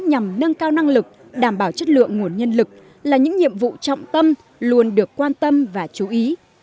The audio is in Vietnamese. nhằm nâng cao năng lực đảm bảo chất lượng nguồn nhân lực là những nhiệm vụ trọng tâm luôn được quan tâm và chú ý